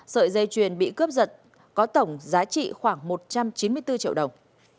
sợi dây chuyền bị cướp giật có tổng giá trị khoảng một trăm chín mươi bốn triệu đồng